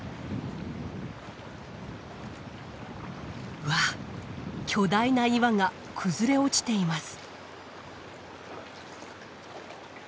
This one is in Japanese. うわっ巨大な岩が崩れ落ちています。